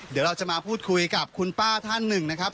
เดี๋ยวเราจะมาพูดคุยกับคุณป้าท่านหนึ่งนะครับ